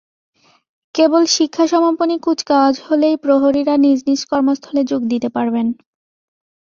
কেবল শিক্ষা সমাপনী কুচকাওয়াজ হলেই প্রহরীরা নিজ নিজ কর্মস্থলে যোগ দিতে পারবেন।